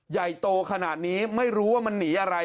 ใหญ่โตขนาดนี้ไม่รู้ว่ามันหนีอะไร